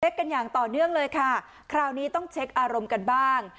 กันอย่างต่อเนื่องเลยค่ะคราวนี้ต้องเช็คอารมณ์กันบ้าง